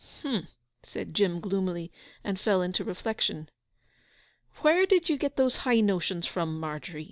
'H'm!' said Jim gloomily; and fell into reflection. 'Where did you get those high notions from, Margery?